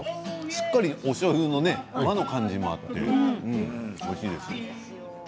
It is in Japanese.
しっかり、おしょうゆの和の感じもあって、おいしいです。